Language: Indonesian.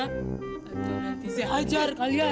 nanti saya hajar kalian